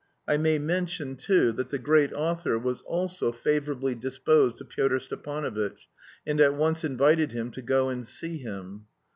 I may mention, too, that the great author was also favourably disposed to Pyotr Stepanovitch, and at once invited him to go and see him.